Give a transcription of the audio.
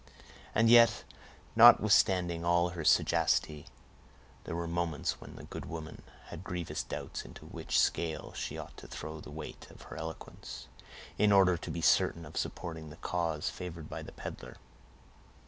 And yet, notwithstanding all her sagacity, there were moments when the good woman had grievous doubts into which scale she ought to throw the weight of her eloquence, in order to be certain of supporting the cause favored by the peddler.